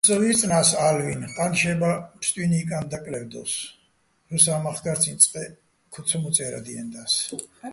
ინც სო ვი́რწნა́ს ალვინ, ყა́ნშება ფსტუჲნო̆ ჲიკაჼ დაკლე́ვდო́ს, რუსა́ მახკარციჼ წყეჸ ქო ცო მოწე́რადიენდა́ს.